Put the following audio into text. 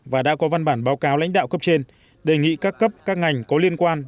và đã có văn bản báo cáo lãnh đạo cấp trên đề nghị các cấp các ngành có liên quan